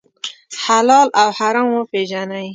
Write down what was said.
حلال او حرام وپېژنئ.